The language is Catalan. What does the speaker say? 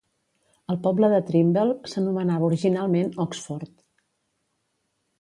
El poble de Trimble s'anomenava originalment Oxford.